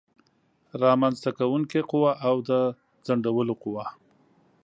رامنځته کوونکې قوه او د ځنډولو قوه